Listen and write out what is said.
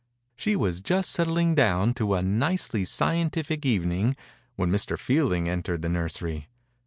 She was just settling down to a nicely scientific evening when Mr. Fielding entered the nur sery.